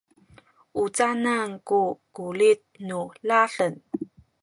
u canan ku kulit nu ladem?